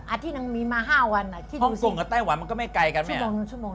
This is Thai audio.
อาทิตย์นึงมีมาห้าวันอ่ะคิดดูสิ